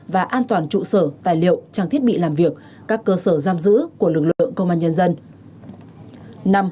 và an toàn trụ sở tài liệu trang thiết bị làm việc các cơ sở giam giữ của lực lượng công an nhân dân